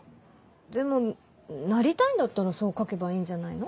でもなりたいんだったらそう書けばいいんじゃないの？